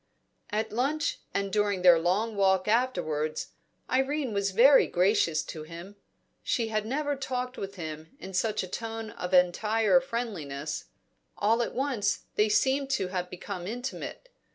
At lunch and during their long walk afterwards, Irene was very gracious to him. She had never talked with him in such a tone of entire friendliness; all at once they seemed to have become intimate.